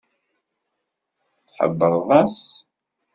Tḥebbreḍ-as?